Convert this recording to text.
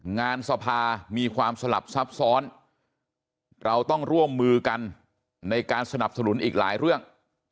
งานสภามีความสลับซับซ้อนเราต้องร่วมมือกันในการสนับสนุนอีกหลายเรื่อง